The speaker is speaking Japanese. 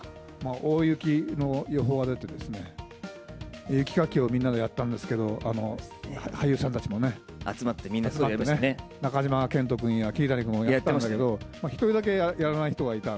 大雪の予報が出てですね、雪かきをみんなでやったんですけみんな集まってやってました中島健人君や、桐谷君もやってましたけど、１人だけやらない人がいた。